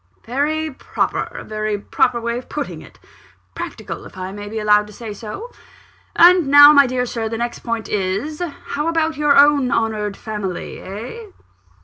"Very proper a very proper way of putting it. Practical, if I may be allowed to say so. And now, my dear Sir, the next point is: how about your own honoured family eh?"